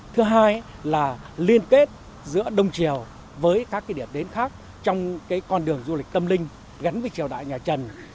thứ hai là liên kết giữa đông triều với các điểm đến khác trong con đường du lịch tâm linh gắn với triều đại nhà trần